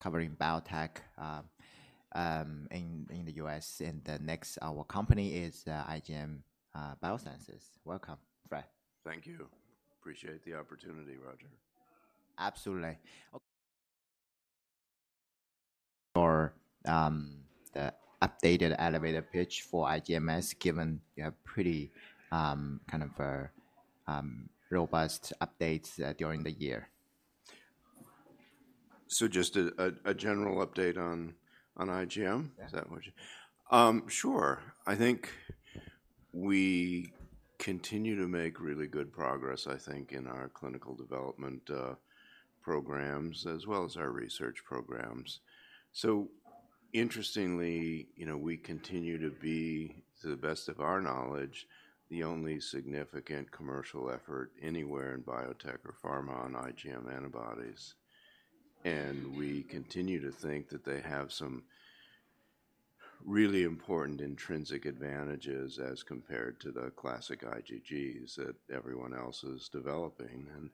covering biotech in the U.S. And the next, our company is IGM Biosciences. Welcome, Fred. Thank you. Appreciate the opportunity, Roger. Absolutely. Or, the updated elevator pitch for IgMS, given you have pretty, kind of, robust updates, during the year. So just a general update on IgM? Yeah. Sure. I think we continue to make really good progress, I think, in our clinical development programs, as well as our research programs. So interestingly, you know, we continue to be, to the best of our knowledge, the only significant commercial effort anywhere in biotech or pharma on IgM antibodies. And we continue to think that they have some really important intrinsic advantages as compared to the classic IgGs that everyone else is developing. And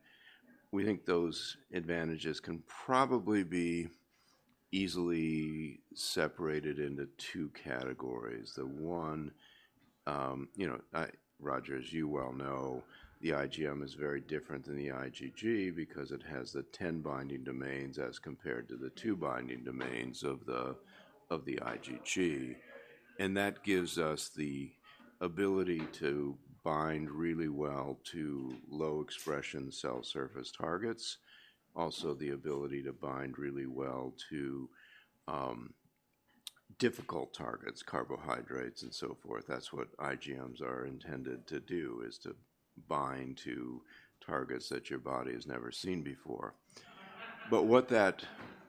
we think those advantages can probably be easily separated into two categories. The one, you know, Roger, as you well know, the IgM is very different than the IgG because it has the 10 binding domains, as compared to the two binding domains of the IgG. And that gives us the ability to bind really well to low-expression cell surface targets. Also, the ability to bind really well to difficult targets, carbohydrates, and so forth. That's what IgMs are intended to do, is to bind to targets that your body has never seen before. But what that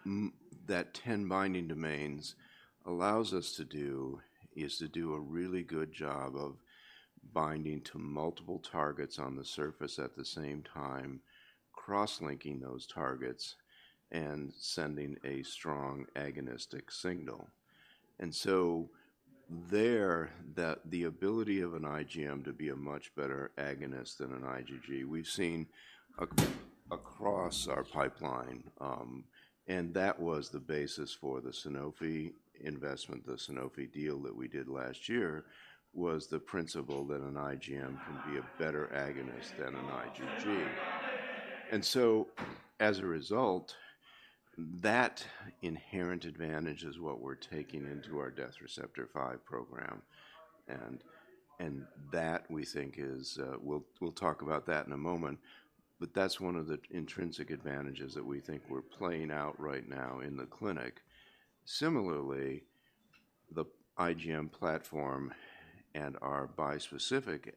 10 binding domains allows us to do, is to do a really good job of binding to multiple targets on the surface at the same time, cross-linking those targets, and sending a strong agonistic signal. And so, the ability of an IgM to be a much better agonist than an IgG, we've seen across our pipeline, and that was the basis for the Sanofi investment. The Sanofi deal that we did last year, was the principle that an IgM can be a better agonist than an IgG. And so, as a result, that inherent advantage is what we're taking into our Death Receptor 5 program. that we think is. We'll talk about that in a moment, but that's one of the intrinsic advantages that we think we're playing out right now in the clinic. Similarly, the IGM platform and our bispecific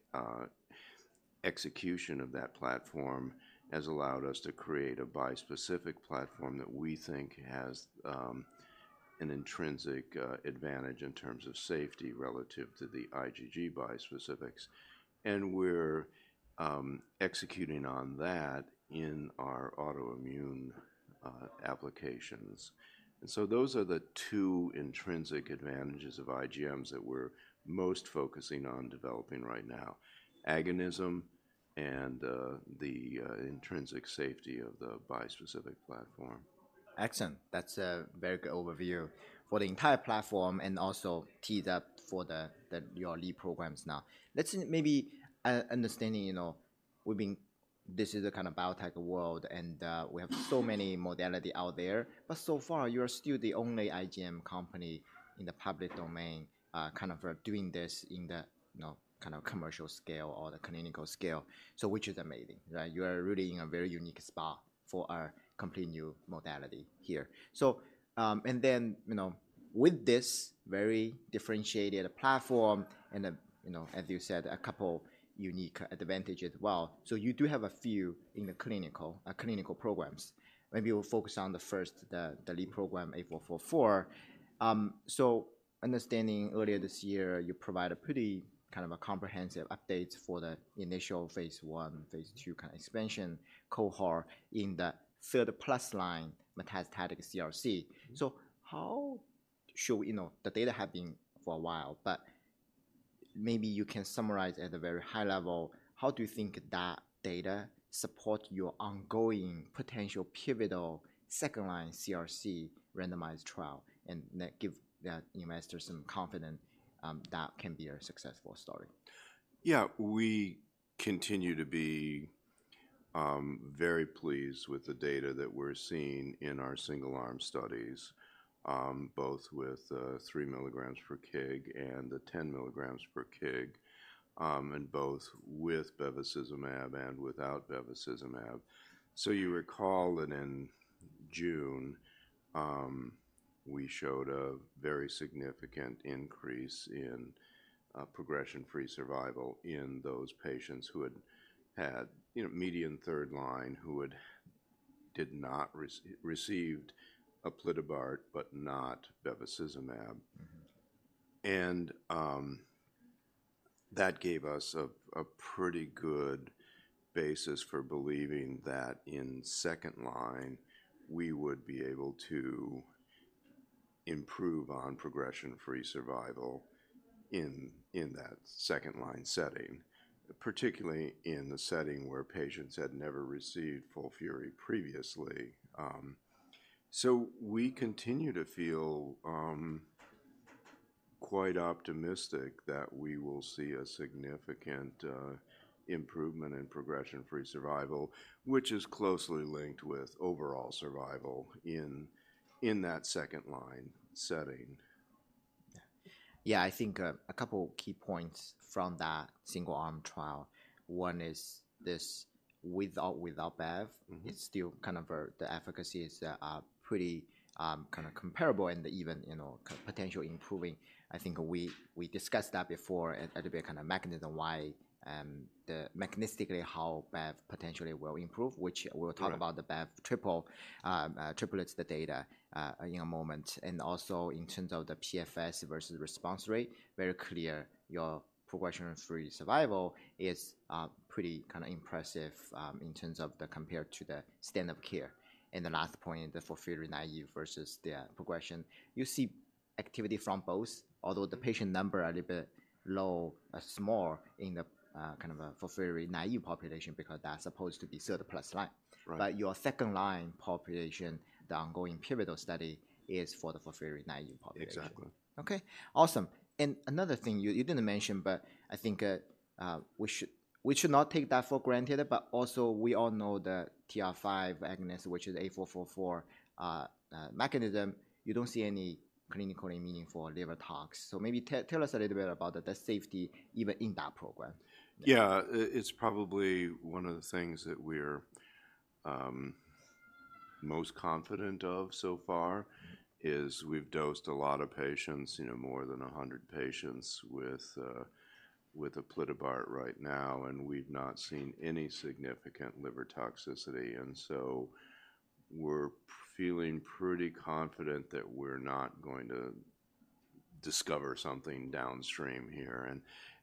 execution of that platform has allowed us to create a bispecific platform that we think has an intrinsic advantage in terms of safety relative to the IgG bispecifics. And we're executing on that in our autoimmune applications. And so those are the two intrinsic advantages of IGMs that we're most focusing on developing right now: agonism and the intrinsic safety of the bispecific platform. Excellent. That's a very good overview for the entire platform and also teed up for your lead programs now. Let's maybe understand, you know, we've been... This is a kind of biotech world, and we have so many modality out there, but so far, you're still the only IGM company in the public domain, kind of doing this in the, you know, kind of commercial scale or the clinical scale. So, which is amazing, right? You are really in a very unique spot for our complete new modality here. So, and then, you know, with this very differentiated platform and, you know, as you said, a couple unique advantage as well. So you do have a few in the clinical programs. Maybe we'll focus on the first, the lead program, IGM-8444. So understanding earlier this year, you provided a pretty kind of a comprehensive update for the initial phase I, phase II kind of expansion cohort in the third plus line, metastatic CRC. So how should we know, the data have been for a while, but maybe you can summarize at a very high level, how do you think that data support your ongoing potential pivotal second-line CRC randomized trial, and that give the investor some confidence, that can be a successful story? Yeah. We continue to be, very pleased with the data that we're seeing in our single-arm studies, both with, 3 mg/kg and the 10 mg/kg, and both with bevacizumab and without bevacizumab. So you recall that in June, we showed a very significant increase in, progression-free survival in those patients who had had, you know, median third line, who had, did not receive aplitabart, but not bevacizumab. Mm-hmm. That gave us a pretty good basis for believing that in second-line, we would be able to improve on progression-free survival in that second-line setting, particularly in the setting where patients had never received FOLFIRI previously. So we continue to feel quite optimistic that we will see a significant improvement in progression-free survival, which is closely linked with overall survival in that second-line setting. Yeah, I think, a couple key points from that single-arm trial. One is this with or without BEV- Mm-hmm. It's still kind of the efficacy is pretty kind of comparable and even, you know, kind of potentially improving. I think we, we discussed that before, and a little bit kind of mechanism why the mechanistically how BEV potentially will improve, which- Right... we'll talk about the BEV triple, triplets, the data, in a moment. And also, in terms of the PFS versus response rate, very clear your progression-free survival is, pretty kind of impressive, in terms of the compared to the standard of care. And the last point, the FOLFIRI-naive versus the progression. You see activity from both, although the patient number a little bit low, small in the, kind of a FOLFIRI-naive population because that's supposed to be third plus line. Right. But your second-line population, the ongoing pivotal study, is for the FOLFIRI-naive population. Exactly. Okay, awesome. And another thing you didn't mention, but I think we should not take that for granted, but also we all know the DR5 agonist, which is IGM-8444, mechanism, you don't see any clinically meaningful liver tox. So maybe tell us a little bit about the safety even in that program. Yeah. It's probably one of the things that we're most confident of so far- Mm-hmm... is we've dosed a lot of patients, you know, more than 100 patients with aplitabart right now, and we've not seen any significant liver toxicity. And so we're feeling pretty confident that we're not going to discover something downstream here.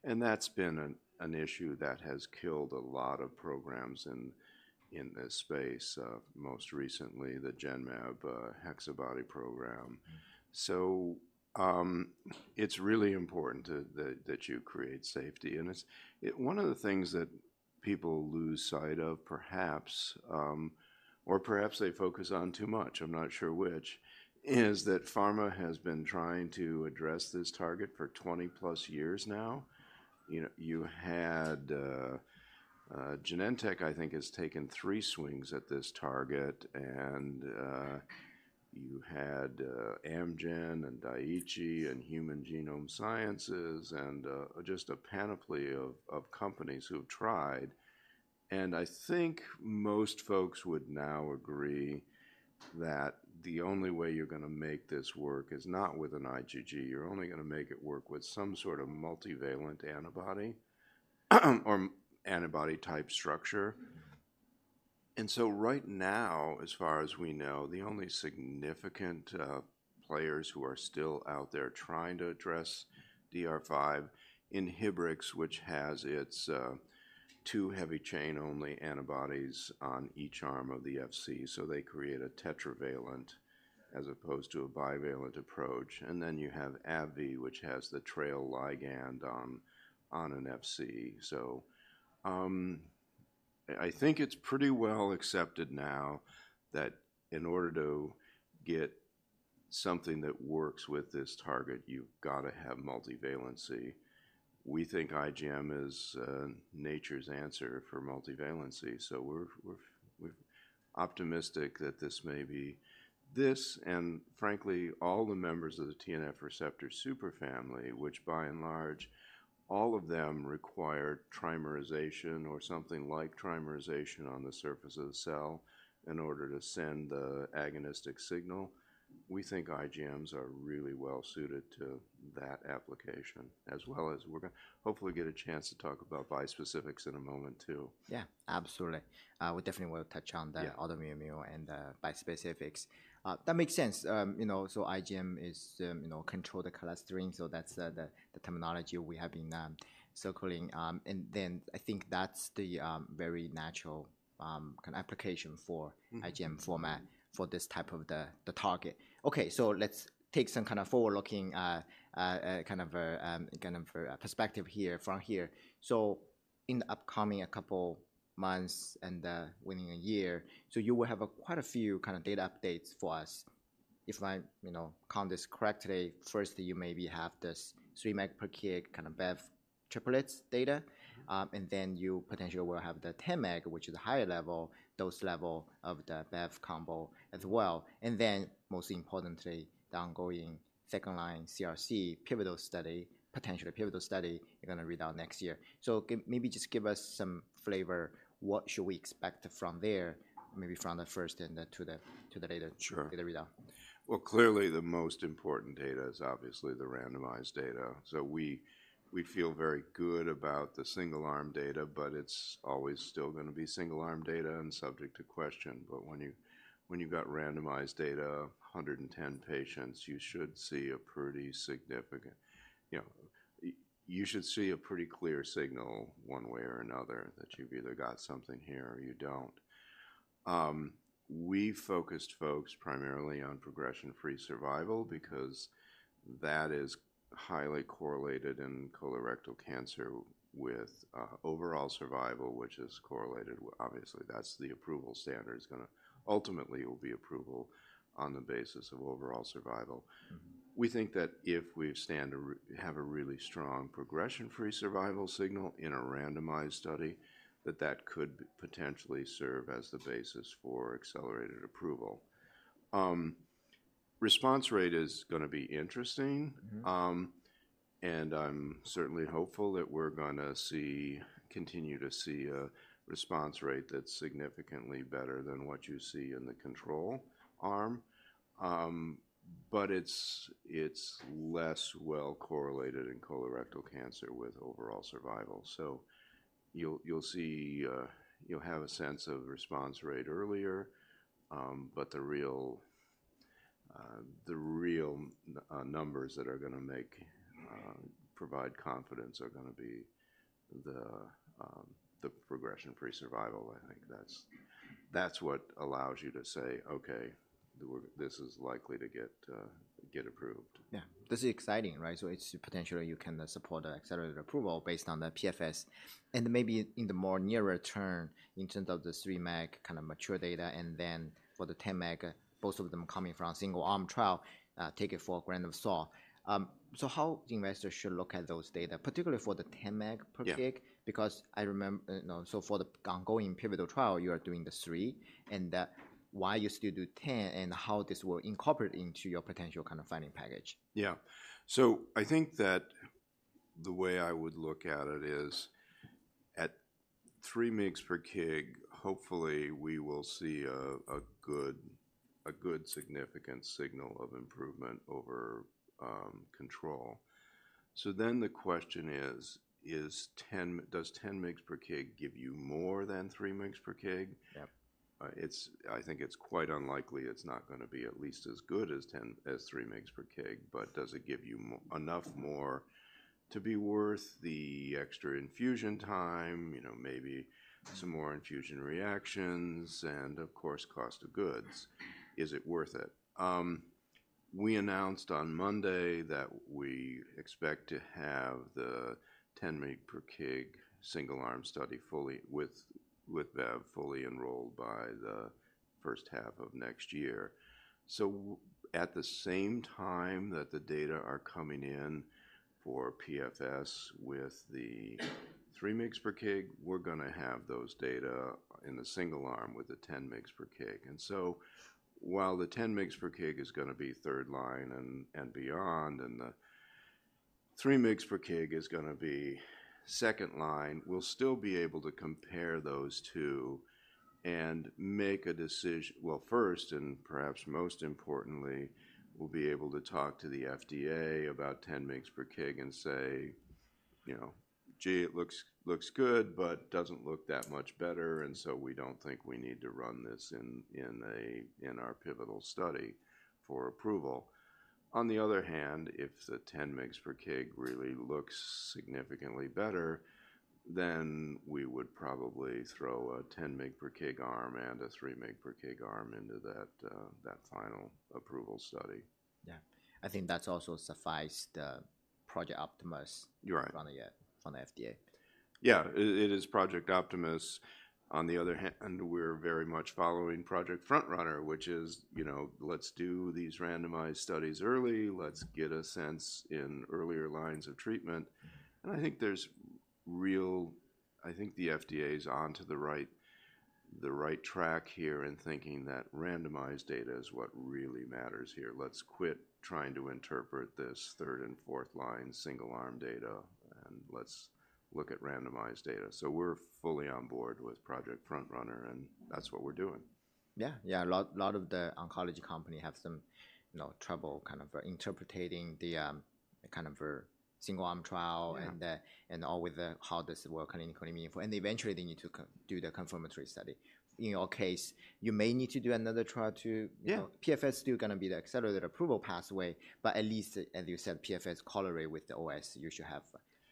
And that's been an issue that has killed a lot of programs in this space, most recently, the Genmab HexaBody program. Mm-hmm. So, it's really important that you create safety. And it's one of the things that people lose sight of perhaps, or perhaps they focus on too much, I'm not sure which, is that pharma has been trying to address this target for 20+ years now. You know, you had Genentech, I think, has taken three swings at this target, and you had Amgen and Daiichi and Human Genome Sciences and just a panoply of companies who've tried. And I think most folks would now agree that the only way you're going to make this work is not with an IgG. You're only going to make it work with some sort of multivalent antibody, or antibody-type structure. And so right now, as far as we know, the only significant players who are still out there trying to address DR5, Inhibrx, which has its two heavy-chain only antibodies on each arm of the Fc, so they create a tetravalent as opposed to a bivalent approach. And then you have AbbVie, which has the TRAIL ligand on an Fc. So, I think it's pretty well accepted now that in order to get something that works with this target, you've got to have multivalency. We think IgM is nature's answer for multivalency, so we're optimistic that this may be... This and frankly, all the members of the TNF receptor superfamily, which by and large, all of them require trimerization or something like trimerization on the surface of the cell in order to send the agonistic signal. We think IgMs are really well suited to that application, as well as we're going to hopefully get a chance to talk about bispecifics in a moment, too. Yeah, absolutely. We definitely will touch on the- Yeah... autoimmune and, bispecifics. That makes sense. You know, so IgM is, you know, control the clustering, so that's the terminology we have been circling. And then I think that's the very natural kind of application for- Mm-hmm... IgM format for this type of the target. Okay, so let's take some kind of forward-looking perspective here from here. So in the upcoming couple months and within a year, so you will have quite a few kind of data updates for us. If I, you know, count this correctly, firstly, you maybe have this 3 mg/kg kind of BEV triplets data. Mm-hmm. And then you potentially will have the 10 mg, which is higher level, dose level of the BEV combo as well. And then, most importantly, the ongoing second-line CRC pivotal study, potentially pivotal study, you're going to read out next year. So maybe just give us some flavor, what should we expect from there? Maybe from the first and then to the, to the later- Sure... to the readout. Well, clearly, the most important data is obviously the randomized data. So we feel very good about the single-arm data, but it's always still going to be single-arm data and subject to question. But when you've got randomized data, 110 patients, you should see a pretty significant... You know, you should see a pretty clear signal one way or another, that you've either got something here or you don't. We focused folks primarily on progression-free survival because that is highly correlated in colorectal cancer with overall survival, which is correlated with-- obviously, that's the approval standard. It's going to-- ultimately, it will be approval on the basis of overall survival. Mm-hmm. We think that if we have a really strong progression-free survival signal in a randomized study, that that could potentially serve as the basis for accelerated approval. Response rate is going to be interesting. Mm-hmm. And I'm certainly hopeful that we're going to see, continue to see a response rate that's significantly better than what you see in the control arm. But it's less well correlated in colorectal cancer with overall survival. So you'll see, you'll have a sense of response rate earlier, but the real numbers that are going to provide confidence are going to be the progression-free survival. I think that's what allows you to say, "Okay, this is likely to get approved. Yeah. This is exciting, right? So it's potentially you can support the accelerated approval based on the PFS, and maybe in the more nearer term, in terms of the 3 mg kind of mature data, and then for the 10 mg, both of them coming from a single-arm trial, take it for a grain of salt. So how investors should look at those data, particularly for the 10 mg/kg? Yeah. Because, no, so for the ongoing pivotal trial, you are doing the 3 mg, and why you still do 10 mg, and how this will incorporate into your potential kind of filing package? Yeah. So I think that the way I would look at it is, at 3 mg/kg, hopefully, we will see a good significant signal of improvement over control. So then the question is, does 10 mg/kg give you more than 3 mg/kg? Yeah. I think it's quite unlikely it's not going to be at least as good as 10 mg-- as 3 mg/kg, but does it give you enough more to be worth the extra infusion time, you know, maybe some more infusion reactions, and of course, cost of goods? Is it worth it? We announced on Monday that we expect to have the 10 mg/kg single-arm study fully with, with BEV, fully enrolled by the first half of next year. So at the same time that the data are coming in for PFS with the 3 mg/kg, we're going to have those data in the single-arm with the 10 mg/kg. And so while the 10 mg/kg is going to be third line and beyond, and the 3 mg/kg is going to be second line, we'll still be able to compare those two and make a decision. Well, first, and perhaps most importantly, we'll be able to talk to the FDA about 10 mg/kg and say, "You know, gee, it looks good, but doesn't look that much better, and so we don't think we need to run this in our pivotal study for approval." On the other hand, if the 10 mg/kg really looks significantly better, then we would probably throw a 10 mg/kg arm and a 3 mg/kg arm into that final approval study. Yeah. I think that's also sufficient for the Project Optimus- You're right -from the, from the FDA. Yeah, it is Project Optimus. On the other hand, we're very much following Project FrontRunner, which is, you know, let's do these randomized studies early. Let's get a sense in earlier lines of treatment, and I think the FDA is onto the right track here in thinking that randomized data is what really matters here. Let's quit trying to interpret this third and fourth line, single-arm data, and let's look at randomized data. So we're fully on board with Project FrontRunner, and that's what we're doing. Yeah. Yeah, a lot, lot of the oncology company have some, you know, trouble kind of interpreting the kind of single-arm trial- Yeah... and all with the how does it work clinically meaningful. And eventually, they need to do the confirmatory study. In your case, you may need to do another trial to- Yeah... PFS still going to be the accelerated approval pathway, but at least, as you said, PFS correlates with the OS, you should have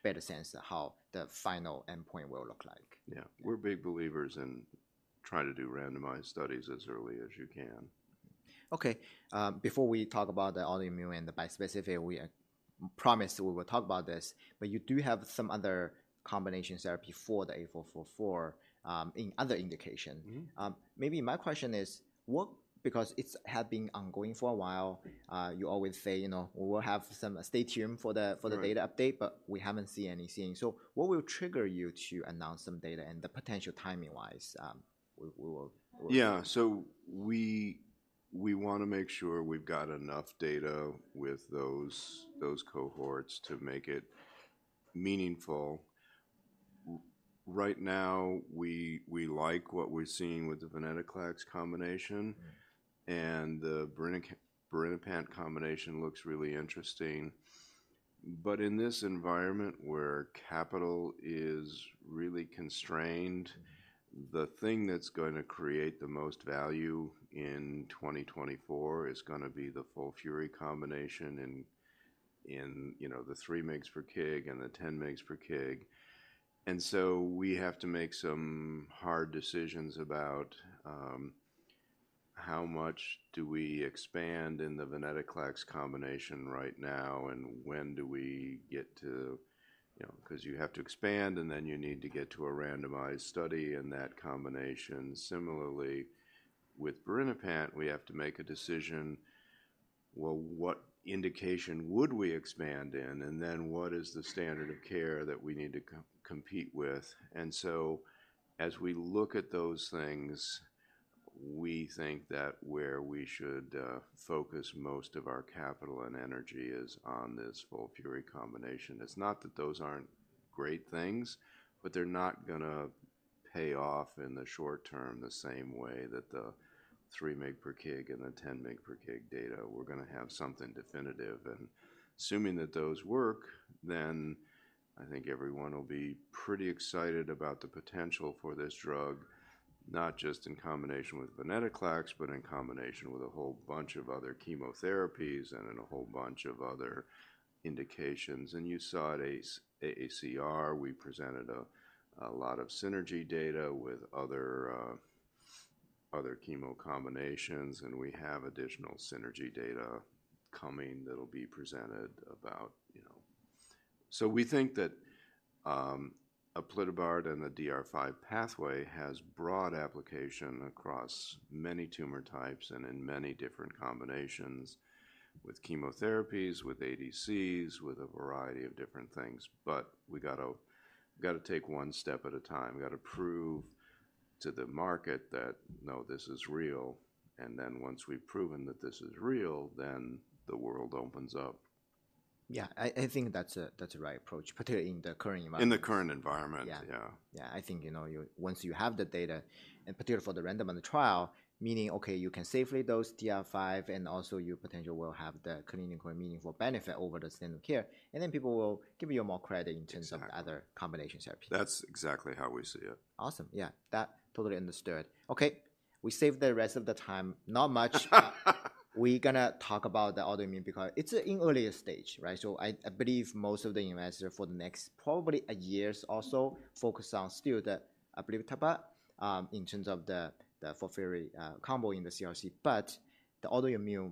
a better sense of how the final endpoint will look like. Yeah. We're big believers in trying to do randomized studies as early as you can. Okay, before we talk about the autoimmune and the bispecific, we promised we would talk about this, but you do have some other combination therapy for the IGM-8444 in other indication. Mm-hmm. Maybe my question is: What-- Because it's had been ongoing for a while, you always say, you know, "We will have some stay tuned for the, for the- Right... data update," but we haven't seen anything. So what will trigger you to announce some data and the potential timing-wise, we will, Yeah. So we, we want to make sure we've got enough data with those, those cohorts to make it meaningful. Right now, we, we like what we're seeing with the venetoclax combination- Mm-hmm ... and the birinapant combination looks really interesting. But in this environment where capital is really constrained, the thing that's going to create the most value in 2024 is going to be the FOLFIRI combination in, you know, the 3 mg/kg and the 10 mg/kg. And so we have to make some hard decisions about how much do we expand in the venetoclax combination right now, and when do we get to, you know, 'cause you have to expand, and then you need to get to a randomized study in that combination. Similarly, with birinapant, we have to make a decision, well, what indication would we expand in? And then what is the standard of care that we need to compete with? And so as we look at those things, we think that where we should focus most of our capital and energy is on this FOLFIRI combination. It's not that those aren't great things, but they're not going to pay off in the short term the same way that the 3 mg/kg and the 10 mg/kg data; we're going to have something definitive. And assuming that those work, then I think everyone will be pretty excited about the potential for this drug, not just in combination with venetoclax, but in combination with a whole bunch of other chemotherapies and in a whole bunch of other indications. And you saw at AACR, we presented a lot of synergy data with other chemo combinations, and we have additional synergy data coming that'll be presented about, you know... So we think that, aplitabart and the DR5 pathway has broad application across many tumor types and in many different combinations with chemotherapies, with ADCs, with a variety of different things. But we got to, we got to take one step at a time. We got to prove to the market that, no, this is real, and then once we've proven that this is real, then the world opens up. Yeah, I think that's the right approach, particularly in the current environment. In the current environment. Yeah. Yeah. Yeah. I think, you know, once you have the data, and particularly for the randomized trial, meaning, okay, you can safely dose DR5, and also you potentially will have the clinically meaningful benefit over the standard of care, and then people will give you more credit- Sure... in terms of other combination therapy. That's exactly how we see it. Awesome. Yeah, that, totally understood. Okay, we save the rest of the time, not much. We're going to talk about the autoimmune because it's in earlier stage, right? So I, I believe most of the investors for the next probably years or so focus on still the aplitabart, in terms of the, the FOLFIRI, combo in the CRC. But the autoimmune,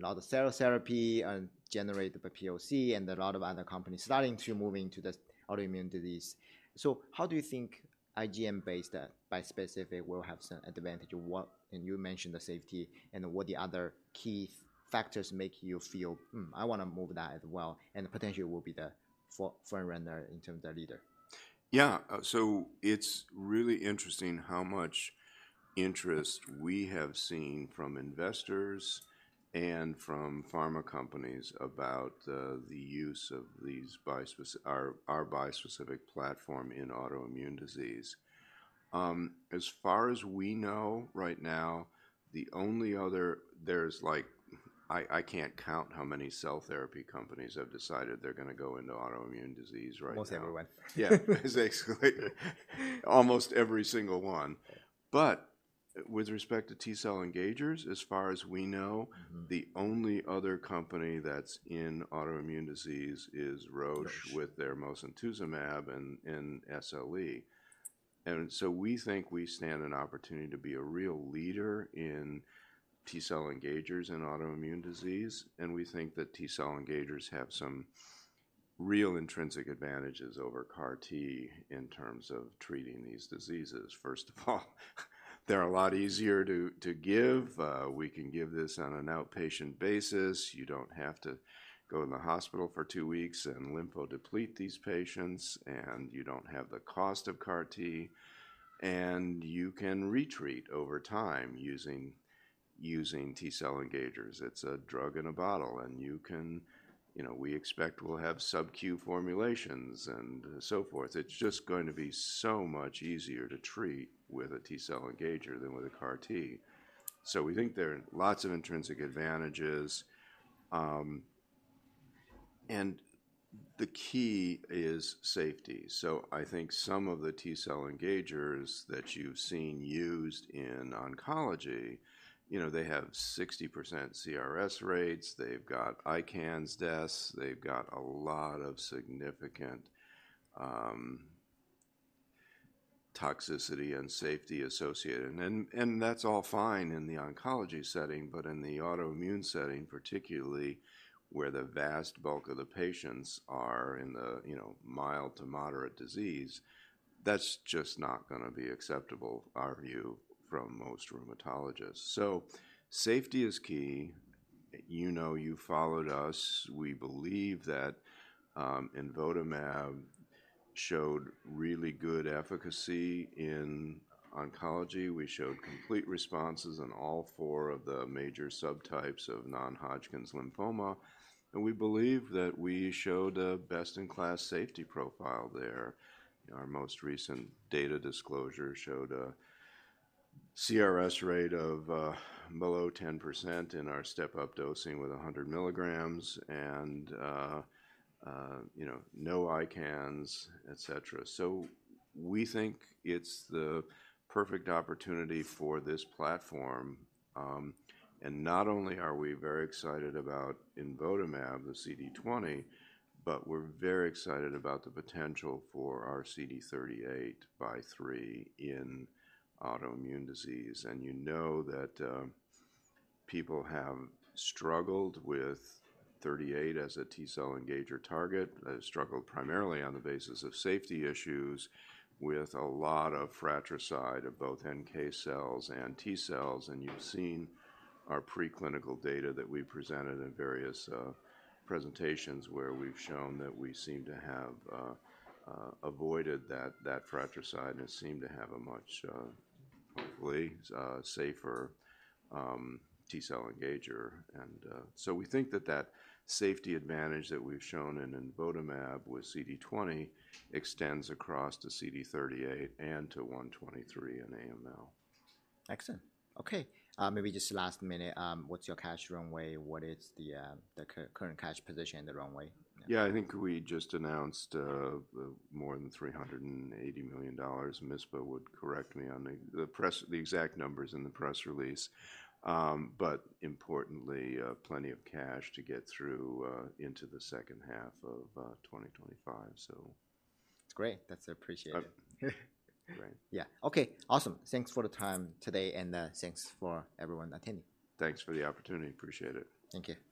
a lot of cell therapy and generated by POC and a lot of other companies starting to move into this autoimmune disease. So how do you think IgM-based, bispecific will have some advantage of what... And you mentioned the safety, and what the other key factors make you feel, "Hmm, I want to move that as well," and potentially will be the front, front runner in terms of leader? Yeah. So it's really interesting how much interest we have seen from investors and from pharma companies about the use of our bispecific platform in autoimmune disease. As far as we know, right now, the only other, there's like, I can't count how many cell therapy companies have decided they're going to go into autoimmune disease right now. Most everyone. Yeah. Basically, almost every single one. Yeah. But with respect to T-cell engagers, as far as we know. Mm-hmm... the only other company that's in autoimmune disease is Roche- Roche... with their mosunetzumab and, and SLE. So we think we stand an opportunity to be a real leader in T-cell engagers in autoimmune disease, and we think that T-cell engagers have some real intrinsic advantages over CAR-T in terms of treating these diseases. First of all, they're a lot easier to give. We can give this on an outpatient basis. You don't have to go in the hospital for two weeks and lymphodeplete these patients, and you don't have the cost of CAR-T, and you can retreat over time using T-cell engagers. It's a drug in a bottle, and you can... You know, we expect we'll have sub-Q formulations and so forth. It's just going to be so much easier to treat with a T-cell engager than with a CAR-T. So we think there are lots of intrinsic advantages. And the key is safety. So I think some of the T-cell engagers that you've seen used in oncology, you know, they have 60% CRS rates, they've got ICANS deaths, they've got a lot of significant toxicity and safety associated. And that's all fine in the oncology setting, but in the autoimmune setting, particularly where the vast bulk of the patients are in the, you know, mild to moderate disease, that's just not going to be acceptable, our view, from most rheumatologists. So safety is key. You know, you followed us. We believe that imvotamab showed really good efficacy in oncology. We showed complete responses in all four of the major subtypes of non-Hodgkin's lymphoma, and we believe that we showed a best-in-class safety profile there. Our most recent data disclosure showed a CRS rate of below 10% in our step-up dosing with 100 milligrams and you know, no ICANS, et cetera. So we think it's the perfect opportunity for this platform. And not only are we very excited about imvotamab, the CD20, but we're very excited about the potential for our CD38 x CD3 in autoimmune disease. And you know that people have struggled with CD38 as a T-cell engager target, struggled primarily on the basis of safety issues with a lot of fratricide of both NK cells and T-cells. And you've seen our preclinical data that we presented in various presentations, where we've shown that we seem to have avoided that fratricide and seem to have a much hopefully safer T-cell engager. So we think that that safety advantage that we've shown in imvotamab with CD20 extends across to CD38 and to CD123 in AML. Excellent. Okay, maybe just last minute, what's your cash runway? What is the current cash position and the runway? Yeah, I think we just announced more than $380 million. Misbah would correct me on the exact numbers in the press release. But importantly, plenty of cash to get through into the second half of 2025, so. It's great. That's appreciated. Great. Yeah. Okay, awesome. Thanks for the time today, and thanks for everyone attending. Thanks for the opportunity. Appreciate it. Thank you.